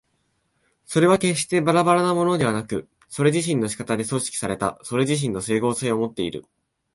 それは決してばらばらなものでなく、それ自身の仕方で組織されたそれ自身の斉合性をもっている。